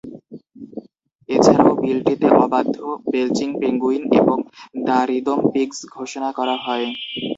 এছাড়াও বিলটিতে "অবাধ্য", "belching penguin" এবং "দ্য রিদম পিগস" ঘোষণা করা হয়।